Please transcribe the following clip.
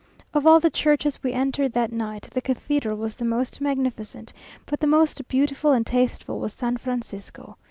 Of all the churches we entered that night, the cathedral was the most magnificent, but the most beautiful and tasteful was San Francisco.